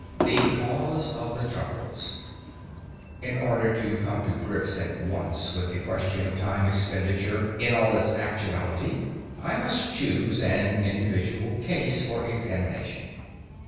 IV THE CAUSE OF THE TROUBLES In order to come to grips at once with the question of time expenditure in all its actuality, I must choose an individual case for examination.